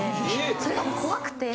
それがもう怖くて。